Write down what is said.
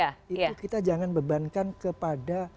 itu kita jangan bebankan kepada